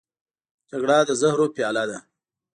جګړه د زهرو پیاله ده